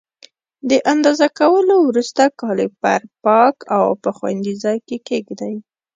د اندازه کولو وروسته کالیپر پاک او په خوندي ځای کې کېږدئ.